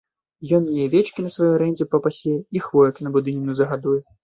Ён мне і авечкі на сваёй арэндзе папасе, і хвоек на будыніну загадуе.